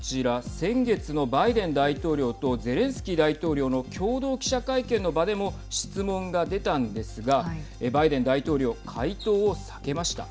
先月のバイデン大統領とゼレンスキー大統領の共同記者会見の場でも質問が出たんですがバイデン大統領回答を避けました。